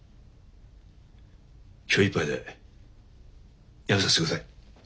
今日いっぱいでやめさせてください。